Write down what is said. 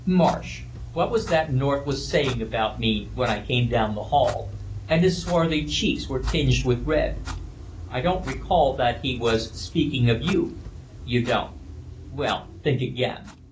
"Marsh, what was that North was saying about me when I came down the hall?" and his swarthy cheeks were tinged with red. "I don't recall that he was speaking of you." "You don't? Well, think again.